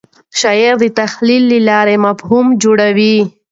شاعر د تخیل له لارې مفهوم جوړوي.